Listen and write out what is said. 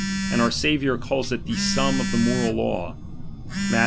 And our Saviour ^C5alls it the suvt of the moral law : Matth.